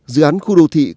dự án khu đô thị